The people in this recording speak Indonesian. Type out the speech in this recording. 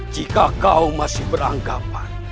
jika kau masih beranggapan